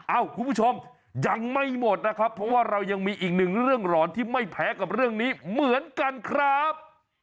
คุณผู้ชมยังไม่หมดนะครับเพราะว่าเรายังมีอีกหนึ่งเรื่องหลอนที่ไม่แพ้กับเรื่องนี้เหมือนกันครับ